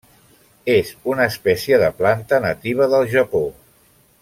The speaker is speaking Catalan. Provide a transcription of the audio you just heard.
És una espècie de planta nativa del Japó.